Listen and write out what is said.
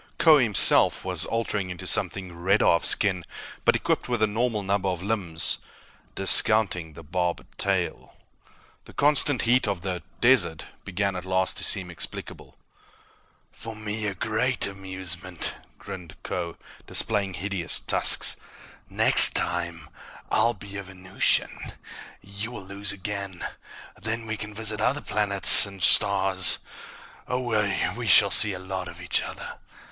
Kbo himself was altering into something redder of skin but equipped with a normal number of limbs, discounting the barbed tail. The constant heat of the "desert" began, at last, to seem explicable. "For me a great amusement," grinned Kho, displaying hideous tusks. "Next time, I'll be a Venusian. You will lose again. Then we can visit other planets, and stars ... oh, we shall see a lot of each other!"